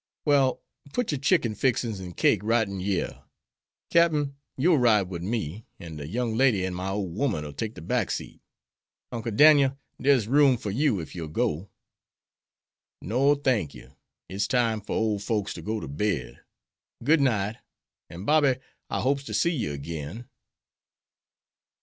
"Well, put your chicken fixins an' cake right in yere. Captin, you'll ride wid me, an' de young lady an' my ole woman'll take de back seat. Uncle Dan'el, dere's room for you ef you'll go." "No, I thank you. It's time fer ole folks to go to bed. Good night! An', Bobby, I hopes to see you agin'."